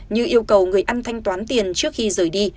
như yêu cầu người ăn thanh toán tiền trước khi rời đi